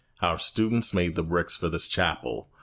Our students made the bricks for this chapel.